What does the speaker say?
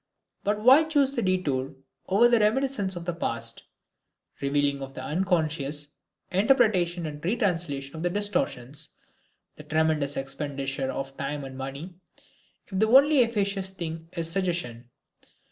But why choose the detour over reminiscences of the past, revealing of the unconscious, interpretation and retranslation of distortions, the tremendous expenditure of time and money, if the only efficacious thing is suggestion?